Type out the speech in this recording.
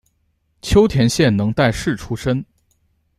秋田县能代市出身。